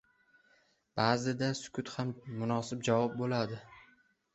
• Ba’zida sukut ham munosib javob bo‘ladi.